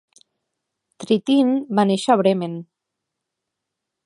Trittin va néixer a Bremen.